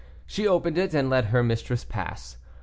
She opened it, and let her mistress pass.